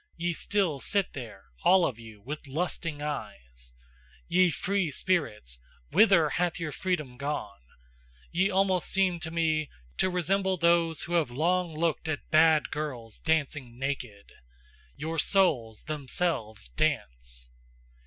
Ye still sit there, all of you, with lusting eyes : Ye free spirits, whither hath your freedom gone! Ye almost seem to me to resemble those who have long looked at bad girls dancing naked: your souls themselves dance!